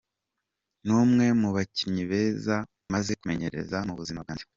"N'umwe mu bakinyi beza maze kumenyereza mu buzima bwanje.